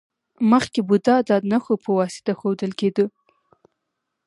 مخکې بودا د نښو په واسطه ښودل کیده